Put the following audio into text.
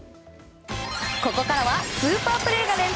ここからはスーパープレーが連発。